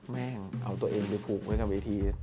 แม่งเอาตัวเองไปผูกไว้กับเวที